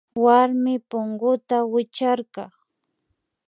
Warmi punguta wichkarka